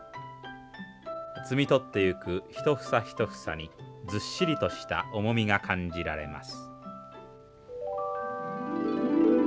摘み取っていく一房一房にずっしりとした重みが感じられます。